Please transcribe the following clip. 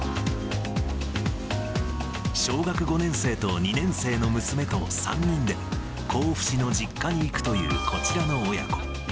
小学５年生と２年生の娘と３人で甲府市の実家に行くというこちらの親子。